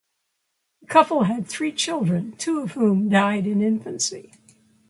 The couple had three children, two of whom died in infancy.